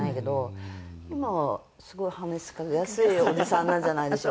今はすごい話しかけやすいおじさんなんじゃないでしょうか。